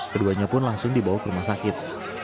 keduanya pun langsung dibawa ke rumah sakit